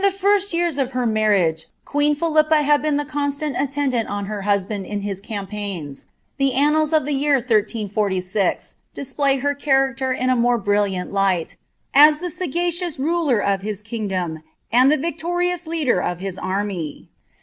■ fiiwi years of her marriage queen Philipi» had been ihe coo nit Aitendani on her husband in his campaigns; the annats of the year \M <li«play her characler in a more brilliant light, a« the eagaciout ruler of his kingdom and ihc Tictorioua leader of hia army.